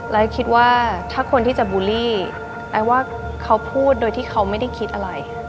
ไอ้คิดว่าถ้าคนที่จะบูลลี่ไอ้ว่าเขาพูดโดยที่เขาไม่ได้คิดอะไร